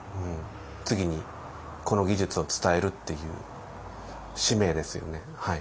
次にこの技術を伝えるっていう使命ですよね。